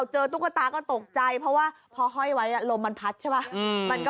ตุ๊กตาก็ตกใจเพราะว่าพอห้อยไว้ลมมันพัดใช่ป่ะ